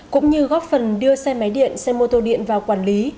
cũng như góp phần đưa xe máy điện xe mô tô điện vào quản lý